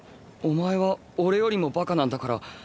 お前は俺よりもバカなんだから。